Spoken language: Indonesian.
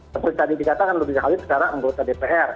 seperti tadi dikatakan nudin halil sekarang anggota dpr